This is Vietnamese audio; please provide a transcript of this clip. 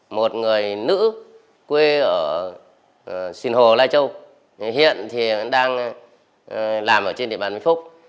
một người nữ quê ở xuyên hồ lai châu hiện đang làm ở trên địa bàn mỹ phúc